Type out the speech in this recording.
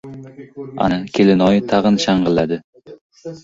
— Ana! — Kelinoyi tag‘in shang‘illadi.